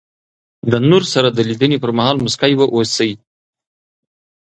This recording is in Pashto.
د نور سره د لیدني پر مهال مسکی واوسئ.